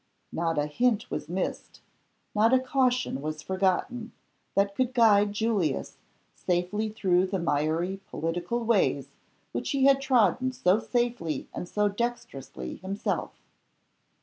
Not a hint was missed, not a caution was forgotten, that could guide Julius safely through the miry political ways which he had trodden so safely and so dextrously himself.